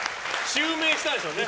襲名したんでしょうね。